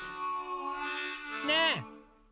ねえ！